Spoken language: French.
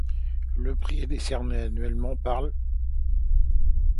Le prix est décerné annuellement par l'.